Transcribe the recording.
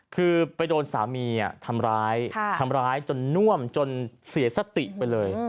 คือไปโดนสามีทำร้ายทำร้ายจนน่วมจนเสียสติไปเลย